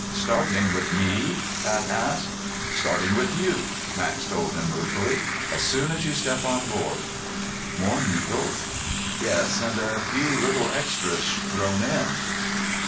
"Starting with me?" Pat asked. "Starting with you," Max told him ruefully, "as soon as you step on board." "More needles?" "Yes, and a few little extras thrown in."